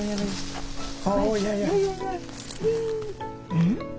うん？